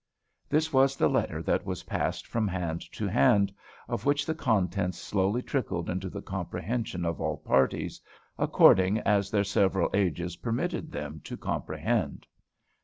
This was the letter that was passed from hand to hand, of which the contents slowly trickled into the comprehension of all parties, according as their several ages permitted them to comprehend.